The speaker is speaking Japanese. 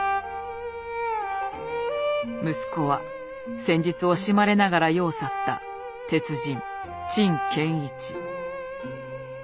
息子は先日惜しまれながら世を去った鉄人陳建一。